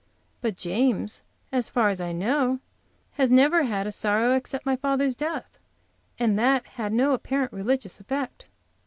But James, as far as I know, has never had a sorrow, except my father's death, and that had no apparent religious effect.